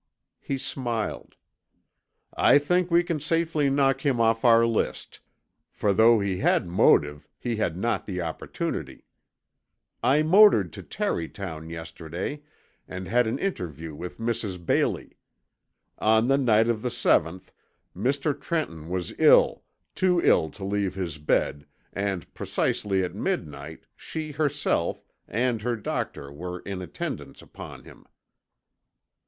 He smiled. "I think we can safely knock him off our list, for though he had motive he had not the opportunity. I motored to Tarrytown yesterday and had an interview with Mrs. Bailey. On the night of the seventh, Mr. Trenton was ill, too ill to leave his bed, and precisely at midnight she, herself, and her doctor were in attendance upon him."